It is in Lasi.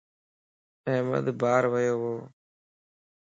احمد بار ويووَ